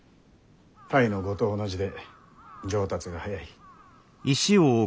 泰の碁と同じで上達が早い。